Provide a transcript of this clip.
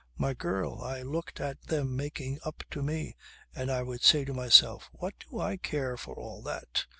. "My girl, I looked at them making up to me and I would say to myself: What do I care for all that!